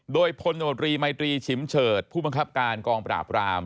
โดยพลโนตรีมัยตรีฉิมเฉิดผู้บังคับการกองปราบราม